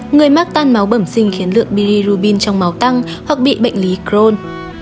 người mắc tan máu bẩm sinh khiến lượng bilirubin trong máu tăng hoặc bị bệnh lý crôn